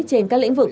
trên các lĩnh vực